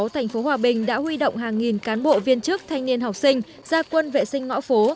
thành phố hòa bình đã huy động hàng nghìn cán bộ viên chức thanh niên học sinh ra quân vệ sinh ngõ phố